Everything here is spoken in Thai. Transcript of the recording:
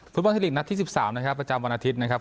ฟุตบอลไทยลีกนัดที่๑๓นะครับประจำวันอาทิตย์นะครับ